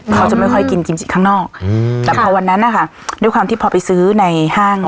เขาจะไม่ค่อยกินกิมจิข้างนอกแต่พอวันนั้นนะคะด้วยความที่พอไปซื้อในห้าง